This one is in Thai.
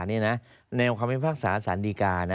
เนี่ยนะแนวคำพิพากษาสันดีกา